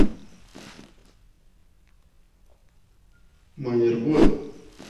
Mueller Bot.